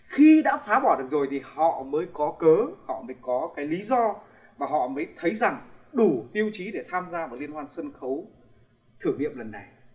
khi đã phá bỏ được rồi thì họ mới có cớ họ mới có cái lý do mà họ mới thấy rằng đủ tiêu chí để tham gia vào liên hoan sân khấu thử nghiệm lần này